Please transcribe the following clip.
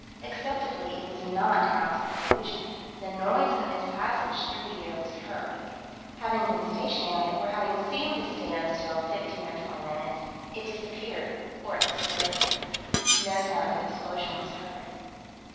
Acceptably it was not an optical illusion the noise of its passage through the air was heard. Having been stationary, or having seemed to stand still fifteen or twenty minutes, it disappeared, or exploded. No sound of explosion was heard.